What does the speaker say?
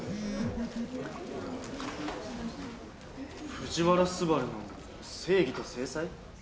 「藤原昴の正義と制裁」？